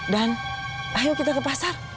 dan ayo kita ke pasar